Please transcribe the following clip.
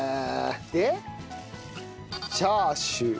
でチャーシュー。